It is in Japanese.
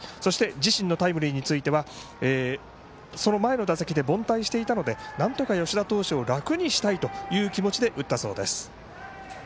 自身のタイムリーについてはその前の打席で凡退していたのでなんとか吉田投手を楽にしたいという気持ちで打ったそうです。